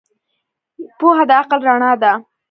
پوهه د عقل رڼا ده.